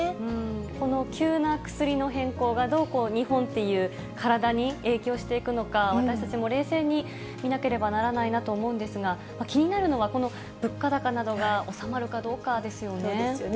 この急な薬の変更が、どう日本という体に影響していくのか、私たちも冷静に見なければならないなと思うんですが、気になるのは、この物価高などが収まるかどうかですよね。